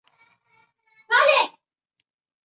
染色箭毒蛙为有毒的动物之一。